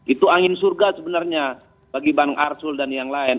itu angin surga sebenarnya bagi bang arsul dan yang lain